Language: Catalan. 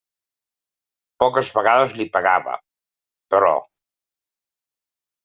Poques vegades li pegava, però.